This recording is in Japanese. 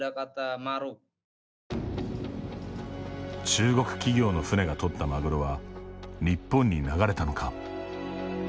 中国企業の船が取ったマグロは日本に流れたのか。